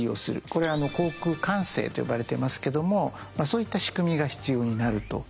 これ航空管制と呼ばれてますけどもそういった仕組みが必要になるということなんですね。